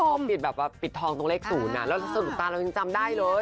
ตรงที่เขาปิดทองตรงเลข๐แล้วสะดุดตาเรายังจำได้เลย